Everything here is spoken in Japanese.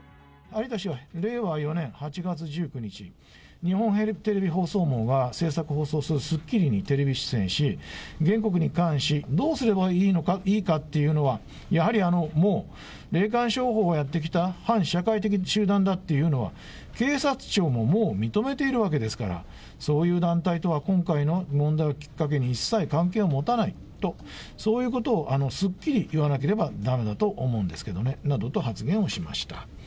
有田氏は令和４年８月１９日、日本テレビ放送網が制作放送するスッキリにテレビ出演し、原告に関し、どうすればいいかっていうのは、やはりもう、霊感商法をやってきた反社会的集団だっていうのは、警察庁ももう認めているわけですから、そういう団体とは今回の問題をきっかけに、一切関係を持たないと、そういうことをすっきり言わなきゃだめだと思うんですけどねなどと発言をしました。